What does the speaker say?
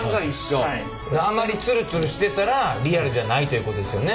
あまりツルツルしてたらリアルじゃないということですよね？